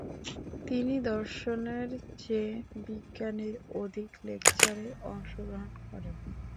তিনি দর্শনের চেয়ে বিজ্ঞানের অধিক লেকচারে অংশগ্রহণ করেন।